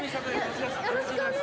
よろしくお願いします。